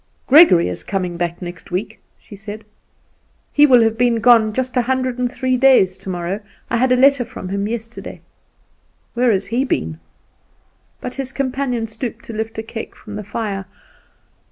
"Gregory is coming back next week," she said; "he will have been gone just a hundred and three days tomorrow. I had a letter from him yesterday." "Where has he been?" But his companion stooped to lift a cake from the fire.